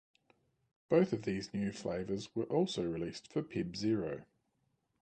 Both of these new flavors were also released for Pibb Zero.